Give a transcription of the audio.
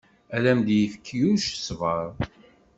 Ad am-d-yefk Yuc ṣṣber.